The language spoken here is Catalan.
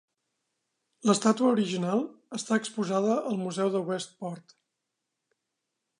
L'estàtua original està exposada al museu de Westport.